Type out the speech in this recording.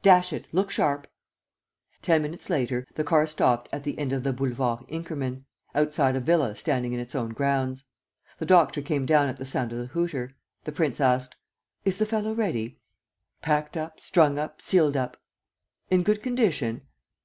"Dash it! Look sharp!" Ten minutes later, the car stopped at the end of the Boulevard Inkerman, outside a villa standing in its own grounds. The doctor came down at the sound of the hooter. The prince asked: "Is the fellow ready?" "Packed up, strung up, sealed up." "In good condition?"